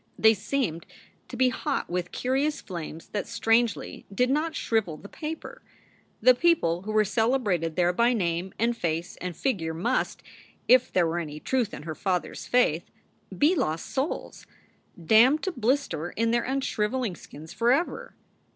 They seemed to be hot with curious flames that strangely did not shrivel the paper. The people who were celebrated there by name and face and figure must, if there were any truth in her father s faith, be lost souls, damned to blister in their unshriveling skins forever.